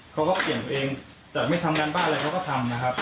เขาก็เปลี่ยนตัวเองแต่ไม่ทำงานบ้านอะไรเขาก็ทำนะครับ